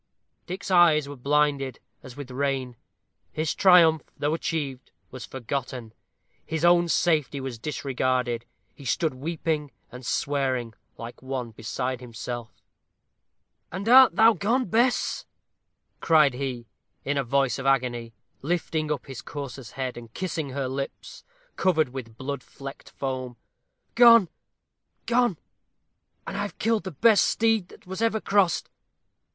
Dick's eyes were blinded, as with rain. His triumph, though achieved, was forgotten his own safety was disregarded. He stood weeping and swearing, like one beside himself. "And art thou gone, Bess?" cried he, in a voice of agony, lifting up his courser's head, and kissing her lips, covered with blood flecked foam. "Gone, gone! and I have killed the best steed that was ever crossed!